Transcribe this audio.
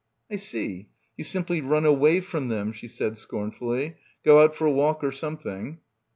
"I see. You simply run away from them," she said scornfully; "go out for a walk or some thing."